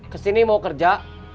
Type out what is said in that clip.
kesini mau kerja